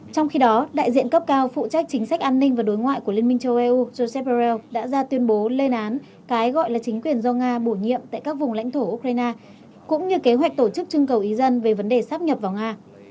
trong khi đó đại diện cấp cao phụ trách chính sách an ninh và đối ngoại của liên minh châu âu joseph bell đã ra tuyên bố lên án cái gọi là chính quyền do nga bổ nhiệm tại các vùng lãnh thổ ukraine cũng như kế hoạch tổ chức trưng cầu ý dân về vấn đề sắp nhập vào nga